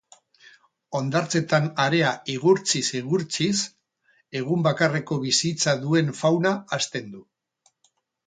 Hondartzetan harea igurtziz-igurtziz egun bakarreko bizitza duen fauna hazten du.